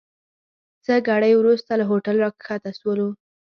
څه ګړی وروسته له هوټل راکښته سولو.